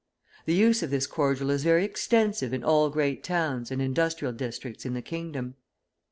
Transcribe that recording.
The use of this cordial is very extensive in all great towns and industrial districts in the kingdom.